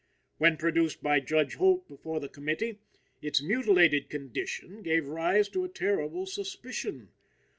When produced by Judge Holt before the committee, its mutilated condition gave rise to a terrible suspicion.